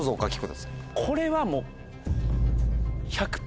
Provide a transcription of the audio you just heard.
これはもう。